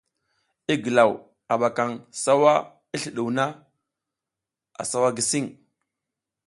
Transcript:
I gilaw, a ɓakaƞ sawa i sliɗuw na, a sawa gisiƞ.